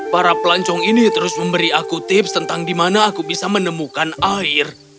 para pelancong ini terus memberi aku tips tentang di mana aku bisa menemukan air